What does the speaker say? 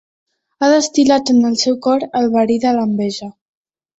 Ha destil·lat en el seu cor el verí de l'enveja.